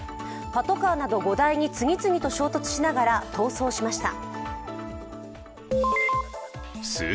パトカーなど５台に次々と衝突しながら逃走しました。